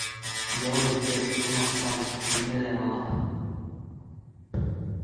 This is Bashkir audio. — Ял иткәс, ожмахтан нимәләр алаһың?